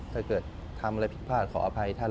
ถ้าเกิดทำอะไรผิดพลาดขออภัยท่าน